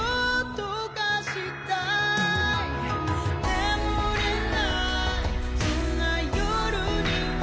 「眠れないそんな夜には」